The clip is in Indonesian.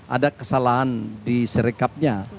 ada kesalahan di serekapnya